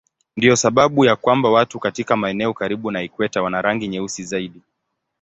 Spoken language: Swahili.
Ndiyo sababu ya kwamba watu katika maeneo karibu na ikweta wana rangi nyeusi zaidi.